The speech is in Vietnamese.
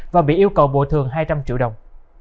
và bị yêu cầu bồi thường hai trăm linh triệu đồng